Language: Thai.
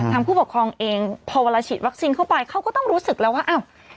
ผู้ปกครองเองพอเวลาฉีดวัคซีนเข้าไปเขาก็ต้องรู้สึกแล้วว่าอ้าว